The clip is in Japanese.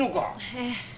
ええ。